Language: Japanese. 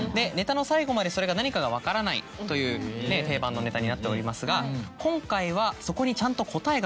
ネタの最後までそれが何かが分からないという定番のネタになっておりますが今回は。